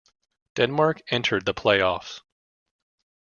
Denmark entered the playoffs.